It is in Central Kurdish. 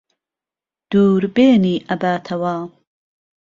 دووربێنی ئهباتههوه